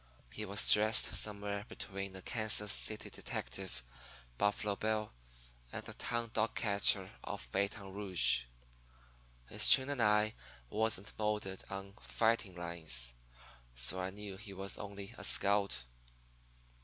He was dressed somewhere between a Kansas City detective, Buffalo Bill, and the town dog catcher of Baton Rouge. His chin and eye wasn't molded on fighting lines, so I knew he was only a scout.